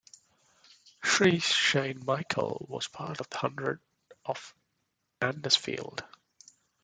Creech Saint Michael was part of the hundred of Andersfield.